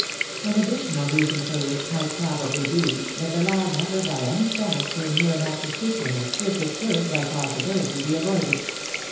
An additional reason for which might probably be, that the lad never by any chance came near enough to speak to her, if it could by possi bility be avoided.